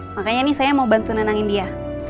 makanya ini saya mau bantu nenangin dia